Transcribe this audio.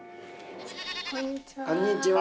こんにちは。